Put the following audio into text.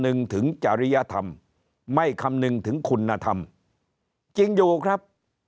หนึ่งถึงจริยธรรมไม่คำนึงถึงคุณธรรมจริงอยู่ครับ